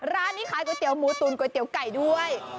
ร้านนี้ขายก๋วยเตี๋ยหมูตุ๋นก๋วยเตี๋ยวไก่ด้วย